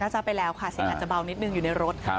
ทราบไปแล้วค่ะเสียงอาจจะเบานิดนึงอยู่ในรถ